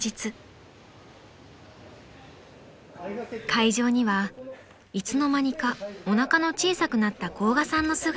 ［会場にはいつの間にかおなかの小さくなった甲賀さんの姿が］